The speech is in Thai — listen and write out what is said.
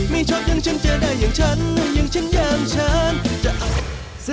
ไม่ชอบอย่างฉันเจอได้อย่างฉันอย่างฉันอย่างฉันจะเอา